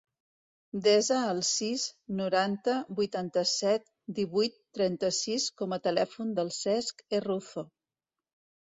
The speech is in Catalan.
Desa el sis, noranta, vuitanta-set, divuit, trenta-sis com a telèfon del Cesc Herruzo.